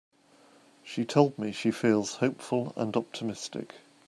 She told me she feels hopeful and optimistic.